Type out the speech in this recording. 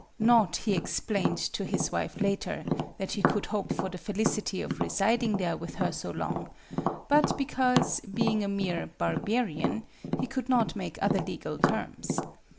Not, he explained to his wife later, that he could hope for the felicity of residing there with her so long, but because, being a mere "barbarian," he could not make other legal terms.